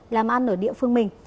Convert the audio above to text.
làm ăn ở địa phương mình